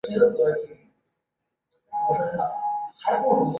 林立衡跑去大院的警卫处要求派士兵保护她的父亲。